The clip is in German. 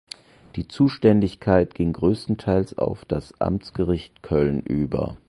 Die Zuständigkeit ging größtenteils auf das Amtsgericht Köln über.